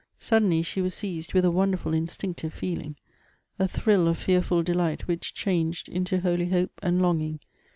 Sud denly she was seized with a wonderful instinctive feeling, a thrill of fearful delight which changed into holy hope and longing.